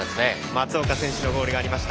松岡選手のゴールがありました。